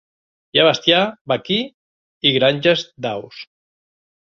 Hi ha bestiar vaquí i granges d'aus.